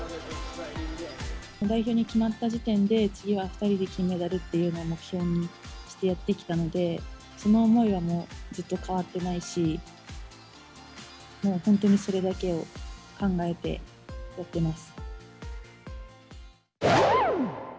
代表に決まった時点で、次は２人で金メダルっていうのを目標にしてやってきたので、その思いはずっと変わっていないし、もう本当にそれだけを考えてやってます。